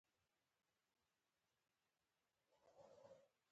ښوونه د ژوند رڼا ده.